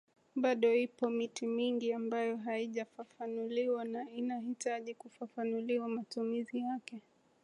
Bado ipo miti mingi ambayo haijafafanuliwa na inahitaji kufafanuliwa matumizi yake